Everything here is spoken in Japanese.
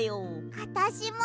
あたしも。